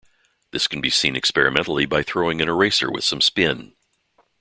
This can be seen experimentally by throwing an eraser with some spin.